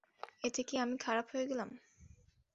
এতে কী আমি খারাপ হয়ে গেলাম?